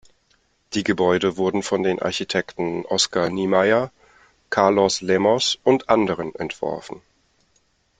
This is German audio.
Die Gebäude wurden von den Architekten Oscar Niemeyer, Carlos Lemos und anderen entworfen.